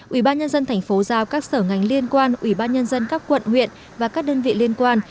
ủy ban nhân dân thành phố giao các sở ngành liên quan ủy ban nhân dân các quận huyện và các đơn vị liên quan